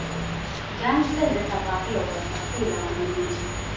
جنګ تل د تباهۍ او بدبختۍ لامل وي.